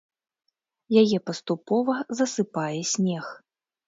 Яе паступова засыпае снег.